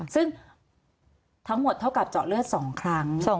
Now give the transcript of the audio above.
ซึ่งทั้งหมดเท่ากับเจาะเลือด๒ครั้ง